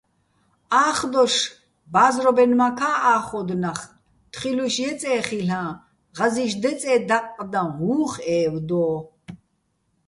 ა́ხდოშ ბა́ზრობენმაქა́ ა́ხოდო̆ ნახ, თხილუშ ჲეწე́ ხილ'აჼ, ღაზი́შ დეწე́ დაყყდაჼ უ̂ხ ე́ვდო́.